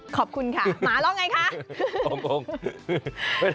ขอบคุณค่ะหมาร้องไงคะ